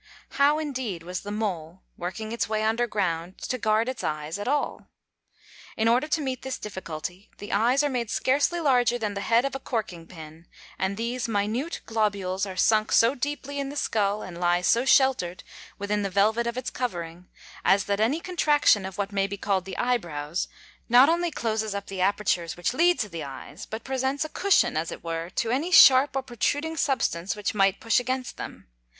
How indeed was the mole, working its way under ground, to guard its eyes at all? In order to meet this difficulty, the eyes are made scarcely larger than the head of a corking pin; and these minute globules are sunk so deeply in the skull, and lie so sheltered within the velvet of its covering, as that any contraction of what may be called the eyebrows, not only closes up the apertures which lead to the eyes, but presents a cushion, as it were, to any sharp or protruding substance which might push against them.